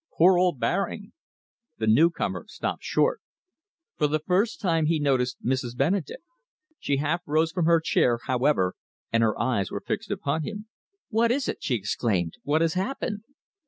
"Poor old Baring " The newcomer stopped short. For the first time he noticed Mrs. Benedek. She half rose from her chair, however, and her eyes were fixed upon him. "What is it?" she exclaimed. "What has happened?"